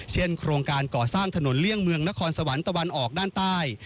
โครงการก่อสร้างถนนเลี่ยงเมืองนครสวรรค์ตะวันออกด้านใต้